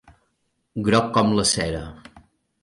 Groc com la cera.